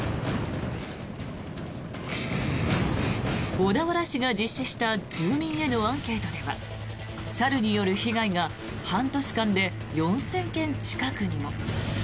小田原市が実施した住民へのアンケートでは猿による被害が半年間で４０００件近くにも。